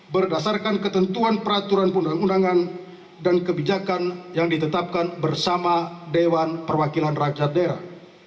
berdasarkan ketentuan peraturan undang undangan dan kebijakan yang ditetapkan bersama dewan perwakilan rakyat daerah